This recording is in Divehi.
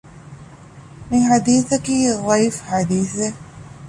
މިޙަދީޘަކީ ޟަޢީފު ޙަދީޘެއް